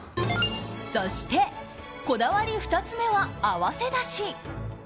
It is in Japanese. そして、こだわり２つ目は合わせだし。